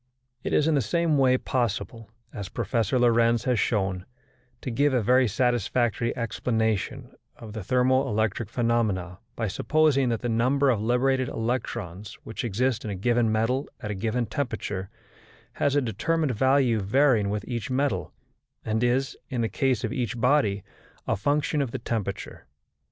It is in the same way possible, as Professor Lorentz has shown, to give a very satisfactory explanation of the thermo electric phenomena by supposing that the number of liberated electrons which exist in a given metal at a given temperature has a determined value varying with each metal, and is, in the case of each body, a function of the temperature.